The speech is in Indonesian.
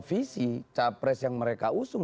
visi capres yang mereka usung